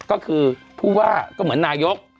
ก็คือผู้ว่าก็เหมือนนายก